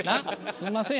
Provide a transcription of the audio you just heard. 「すみません」